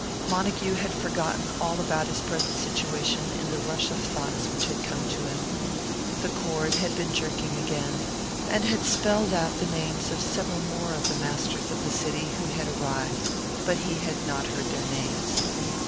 Montague had forgotten all about his present situation in the rush of thoughts which had come to him. The cord had been jerking again, and had spelled out the names of several more of the masters of the city who had arrived; but he had not heard their names.